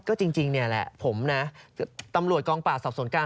ก็จริงผมนะตำรวจกล้องปากสอบส่วนกลาง